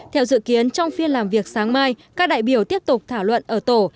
theo dự kiến trong phiên làm việc sáng mai các đại biểu tiếp tục thảo luận ở tổ